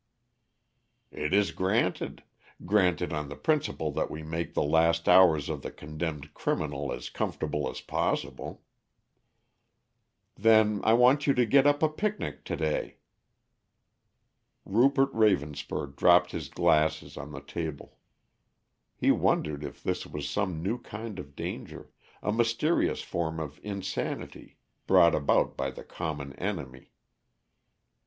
"It is granted granted on the principle that we make the last hours of the condemned criminal as comfortable as possible." "Then I want you to get up a picnic to day." Rupert Ravenspur dropped his glasses on the table. He wondered if this was some new kind of danger, a mysterious form of insanity, brought about by the common enemy.